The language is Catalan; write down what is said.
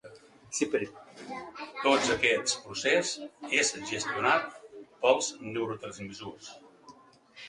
Tot aquest procés és gestionat pels neurotransmissors.